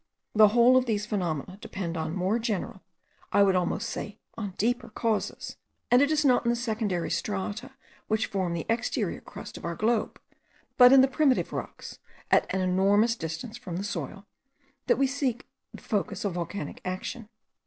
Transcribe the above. The whole of these phenomena depend on more general, I would almost say on deeper, causes; and it is not in the secondary strata which form the exterior crust of our globe, but in the primitive rocks, at an enormous distance from the soil, that we should seek the focus of volcanic action.